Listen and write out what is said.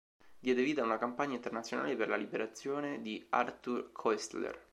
Diede vita a una campagna internazionale per la liberazione di Arthur Koestler.